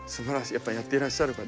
やっぱやっていらっしゃるから。